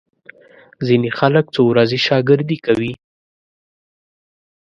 ځینې خلک څو ورځې شاګردي کوي.